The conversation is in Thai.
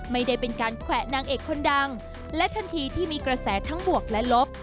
ไม่ได้เป็นการแขวะนางเอกคนดังและทันทีที่มีกระแสทั้งบวกและลบ